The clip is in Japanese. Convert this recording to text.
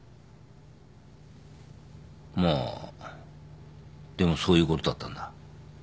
まあでもそういうことだったんだ。